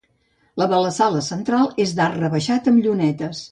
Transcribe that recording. La de la sala central és d'arc rebaixat amb llunetes.